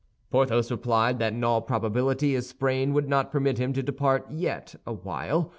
Porthos replied that in all probability his sprain would not permit him to depart yet awhile.